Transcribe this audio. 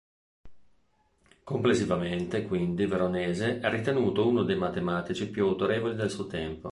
Complessivamente quindi Veronese è ritenuto uno dei matematici più autorevoli del suo tempo.